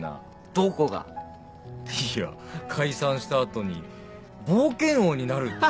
どこが？いや解散した後に冒険王になるって。